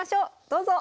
どうぞ！